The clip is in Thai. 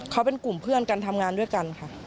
เขาเป็นกลุ่มเพื่อนกันทำงานด้วยกันค่ะ